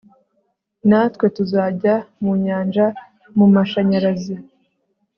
Natwe tuzajya mu nyanja mumashanyarazi